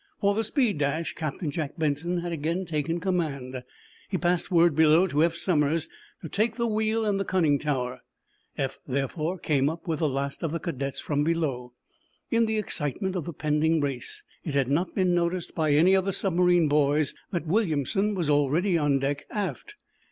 For the speed dash Captain Jack Benson had again taken command. He passed word below to Eph Somers to take the wheel in the conning tower. Eph, therefore, came up with the last of the cadets from below. In the excitement of the pending race it had not been noticed by any of the submarine boys that Williamson was already on deck, aft.